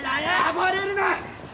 暴れるな！